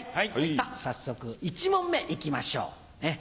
さぁ早速１問目いきましょう。